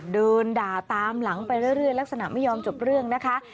เดินด่าตามหลังไปเรื่อยลักษณะไม่ยอมจบเรื่องนะคะ